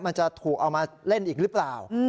มันจะถูกเอามาเล่นอีกหรือเปล่า